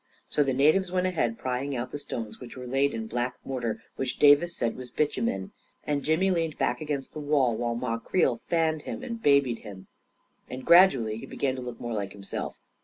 So the natives went ahead prying out the stones, which were laid in a black mortar which Davis said was bitumen; and Jimmy leaned bade against the wall, while Ma Creel fanned him and babied him; and gradually he began to look more like himself.